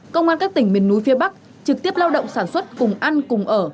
công an các tỉnh miền núi phía bắc trực tiếp lao động sản xuất cùng ăn cùng ở